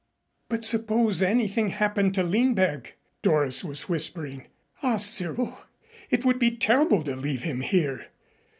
"But suppose anything happened to Lindberg," Doris was whispering. "Ah, Cyril, it would be terrible to leave him here.